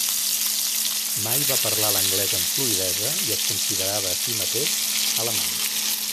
Mai va parlar l'anglès amb fluïdesa i es considerava a si mateix alemany.